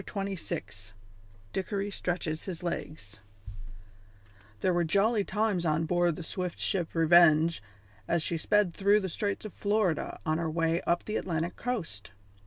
CHAPTER XXVI DICKORY STRETCHES HIS LEGS There were jolly times on board the swift ship Revenge as she sped through the straits of Florida on her way up the Atlantic coast.